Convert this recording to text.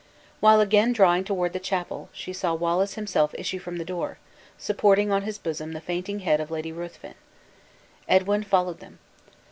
While again drawing toward the chapel, she saw Wallace himself issue from the door, supporting on his bosom the fainting head of Lady Ruthven. Edwin followed them.